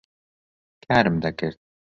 کارم دەکرد.